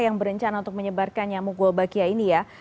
yang berencana untuk menyebarkan nyamuk golbakia ini ya